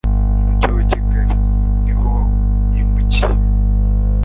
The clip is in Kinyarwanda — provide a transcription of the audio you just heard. mu mujyi wa Kigali.niho yimukiye